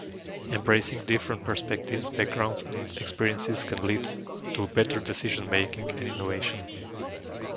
Embracing different perspectives, backgrounds, and experiences can lead to better decision-making and innovation.